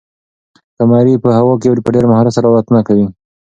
قمري په هوا کې په ډېر مهارت سره الوتنه کوي.